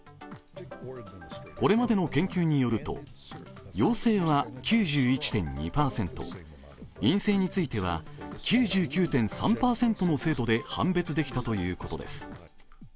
これまでの研究によると陽性は９１．２％、陰性については９９．３％の精度で判別できたということです。